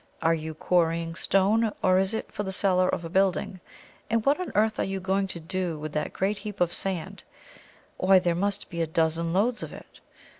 are you quarrying stone, or is it for the cellar of a building? and what on earth are you going to do with that great heap of sand? why, there must be a dozen loads of it."